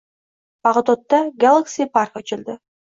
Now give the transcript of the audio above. Bag‘dodda “Galaxy park” ochildi